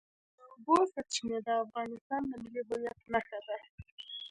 د اوبو سرچینې د افغانستان د ملي هویت نښه ده.